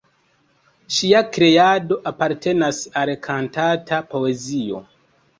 Ŝia kreado apartenas al kantata poezio.